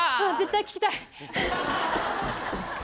うん絶対聞きたい。